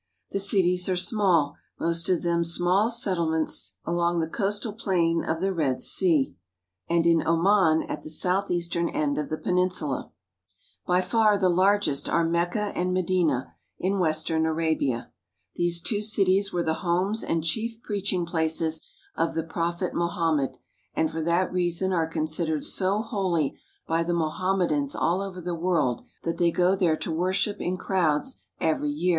The cities are small, most of them small settlements along the coastal plain of the Red Sea IN AN ARABIAN VILLAGE 343 and in Oman at the southeastern end of the peninsula. By far the largest are Mecca and Medina, in western Arabia. These two cities were the homes and chief preaching places of the prophet Mohammed, and for that reason are considered so holy by the Mohammedans all over the world that they go there to worship in crowds every year.